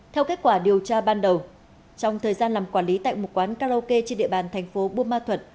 theo kết quả điều tra ban đầu trong thời gian làm quản lý tại một quán karaoke trên địa bàn thành phố buôn ma thuật